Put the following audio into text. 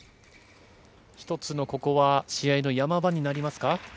一つのここは試合のヤマ場になりますか？